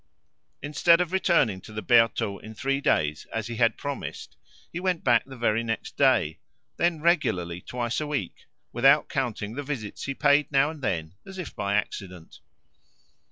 Instead of returning to the Bertaux in three days as he had promised, he went back the very next day, then regularly twice a week, without counting the visits he paid now and then as if by accident.